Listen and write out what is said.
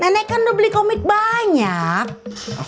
nenek kan udah beli komik banyak